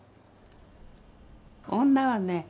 女はね